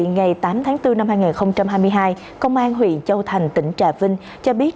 ngày tám tháng bốn năm hai nghìn hai mươi hai công an huyện châu thành tỉnh trà vinh cho biết